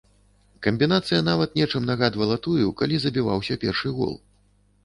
Камбінацыя нават нечым нагадвала тую, калі забіваўся першы гол.